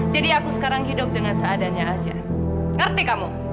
jadi aku sekarang hidup dengan seadanya aja ngerti kamu